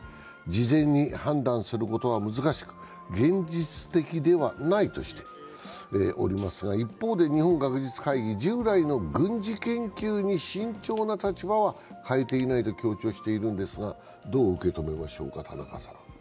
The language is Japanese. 事前に判断することは難しく、現実的ではないとしておりますが一方で日本学術会議、従来の軍事研究に慎重な立場は変えていないと強調してるんですが、どう受け止めましょうか。